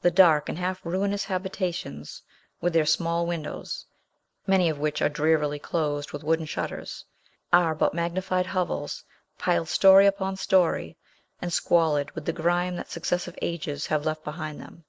The dark and half ruinous habitations, with their small windows, many of which are drearily closed with wooden shutters, are but magnified hovels, piled story upon story, and squalid with the grime that successive ages have left behind them.